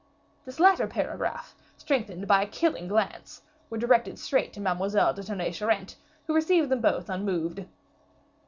This latter paragraph, strengthened by a killing glance, was directed straight to Mademoiselle de Tonnay Charente, who received them both unmoved.